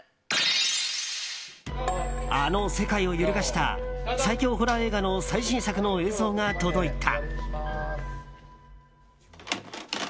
あの世界を揺るがした最恐ホラー映画の最新作の映像が届いた。